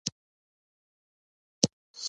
نن مې د کور کثافات وایستل.